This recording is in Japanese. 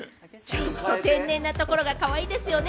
ちょっと天然なところがかわいいですよね。